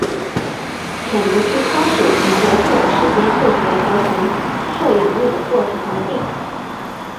潜伏期开始及结束的时间会随儿童受养育的过程而定。